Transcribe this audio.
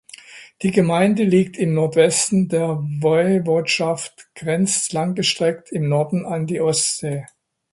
Die Gemeinde liegt im Nordwesten der Woiwodschaft grenzt langgestreckt im Norden an die Ostsee.